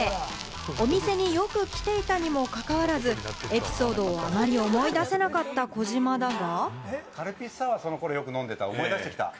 お店によく来ていたにもかかわらず、エピソードをあまり思い出せなかった児嶋だが。